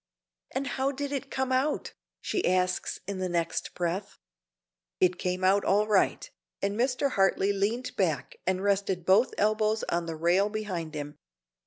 "And how did it come out?" she asks in the next breath. "It came out all right," and Mr. Hartley leaned back and rested both elbows on the rail behind him.